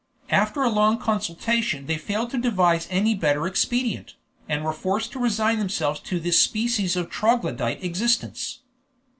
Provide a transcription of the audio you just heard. After a long consultation they failed to devise any better expedient, and were forced to resign themselves to this species of troglodyte existence.